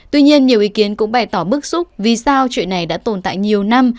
tuy nhiên nhiều ý kiến cũng bày tỏ bức xúc vì sao chuyện này đã tồn tại nhiều năm